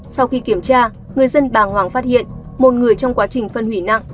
sau khi kiểm tra người dân bà hoàng phát hiện một người trong quá trình phân hủy nặng